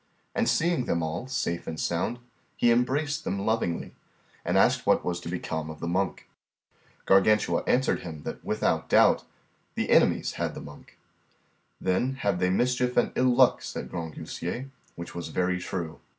And seeing them all safe and sound, he embraced them lovingly, and asked what was become of the monk. Gargantua answered him that without doubt the enemies had the monk. Then have they mischief and ill luck, said Grangousier; which was very true.